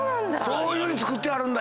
そういうふうに作ってはるんだ。